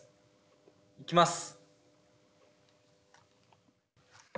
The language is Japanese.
いきます。